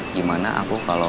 gimana aku kalau